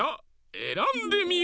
えらんでみよ！